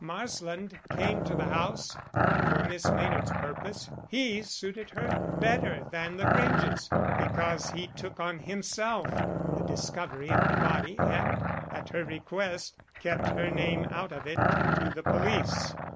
Marsland came to the house, and for Miss Maynard's purpose he suited her better than the Granges because he took on himself the discovery of the body and, at her request, kept her name out of it to the police.